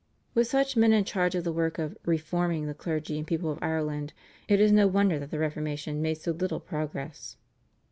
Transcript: With such men in charge of the work of "reforming" the clergy and people of Ireland, it is no wonder that the Reformation made so little progress.